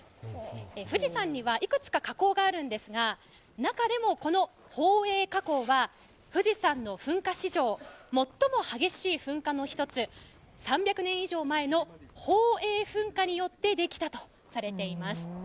富士山にはいくつか火口があるんですが、中でもこの宝永火口では富士山の噴火史上最も激しい噴火の１つ、３００年以上前の宝永噴火によってできたとされています。